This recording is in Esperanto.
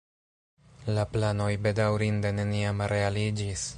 La planoj bedaŭrinde neniam realiĝis.